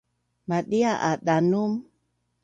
madia a danum